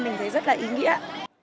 mình thấy rất là ý nghĩa